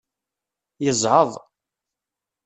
Yezɛeḍ.